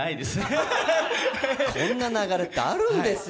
こんな流れってあるんです。